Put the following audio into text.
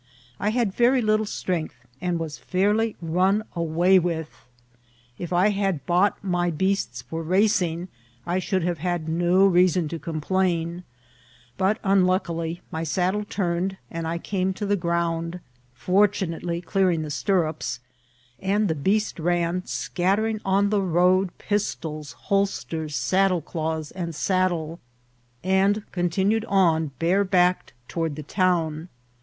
I kad very little strength, and was fiedrly nm away with. If I had bought my beasts {or racing I should have had no reason to com plain ; but, unluckily, my saddle turned, and I came to the ground, fortunately clearing the stirrups, and the beast ran, scattering on the road pistok, holsters, sad dle cloths, and saddle, and continued on bare backed toward the town.